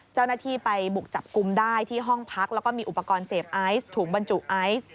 เจ้าหน้าที่ไปบุกจับกลุ่มได้ที่ห้องพักแล้วก็มีอุปกรณ์เสพไอซ์ถุงบรรจุไอซ์